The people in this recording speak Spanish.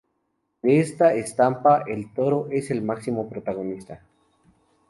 En esta estampa el toro es el máximo protagonista.